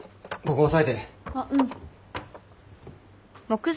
あっうん。